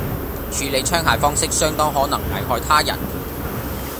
處理槍械方式相當可能危害他人